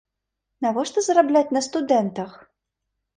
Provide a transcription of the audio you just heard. Навошта зарабляць на студэнтах?